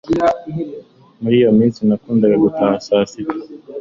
Muri iyo minsi nakundaga gutaha saa sita